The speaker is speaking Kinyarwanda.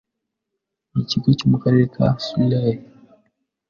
Ni ikigo cyo mu karere ka Surrey